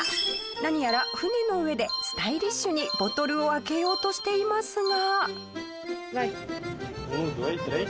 何やら船の上でスタイリッシュにボトルを開けようとしていますが。